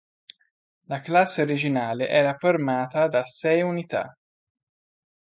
La classe originale era formata da sei unità.